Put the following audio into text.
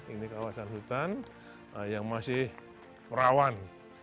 ini kawasan hutan yang masih rawan